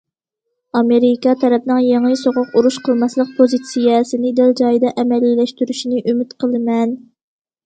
ئامېرىكا تەرەپنىڭ« يېڭى سوغۇق ئۇرۇش» قىلماسلىق پوزىتسىيەسىنى دەل جايىدا ئەمەلىيلەشتۈرۈشىنى ئۈمىد قىلىمەن.